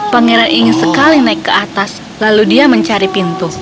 pangeran ingin sekali naik ke atas lalu dia mencari pintu